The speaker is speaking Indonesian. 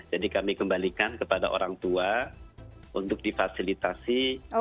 jadi kami kembalikan kepada orang tua untuk difasilitasi